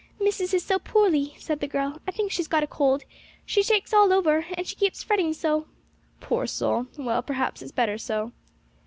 'Missis is so poorly,' said the girl; 'I think she's got a cold: she shakes all over, and she keeps fretting so.' 'Poor soul! well, perhaps it's better so.'